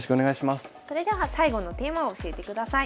それでは最後のテーマを教えてください。